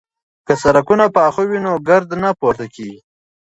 که سړکونه پاخه وي نو ګرد نه پورته کیږي.